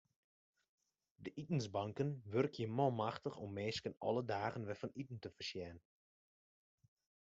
De itensbanken wurkje manmachtich om minsken alle dagen wer fan iten te foarsjen.